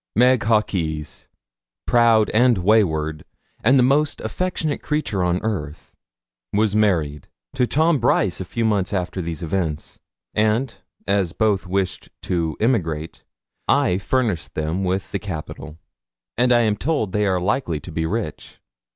Meg Hawkes, proud and wayward, and the most affectionate creature on earth, was married to Tom Brice a few months after these events; and, as both wished to emigrate, I furnished them with the capital, and I am told they are likely to be rich.